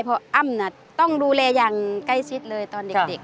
เพราะอ้ำต้องดูแลอย่างใกล้ชิดเลยตอนเด็ก